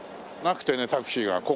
なくてねタクシーが。